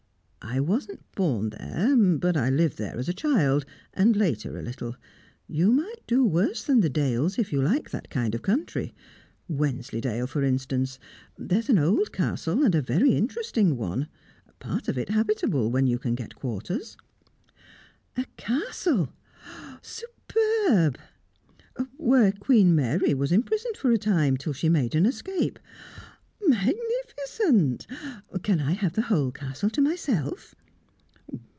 "I wasn't born there, but lived there as a child, and later a little. You might do worse than the dales, if you like that kind of country. Wensleydale, for instance. There's an old Castle, and a very interesting one, part of it habitable, where you can get quarters." "A Castle? Superb!" "Where Queen Mary was imprisoned for a time, till she made an escape " "Magnificent! Can I have the whole Castle to myself?"